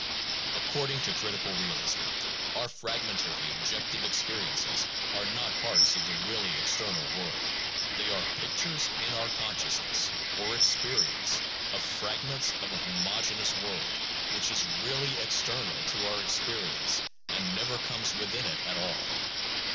According to critical realism, our fragmentary objective experi ences are not parts of the really external world, they are pictures in our consciousness, or experience, of fragments of a homogeneous world which is really external to our experience and never comes within it at all.